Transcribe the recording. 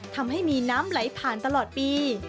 ทำให้มีน้ำไหลผ่านตลอดปี